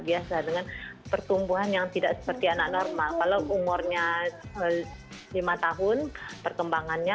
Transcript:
biasa dengan pertumbuhan yang tidak seperti anak normal kalau umurnya lima tahun perkembangannya